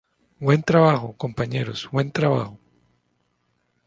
Buen trabajo, compañeros. Buen trabajo.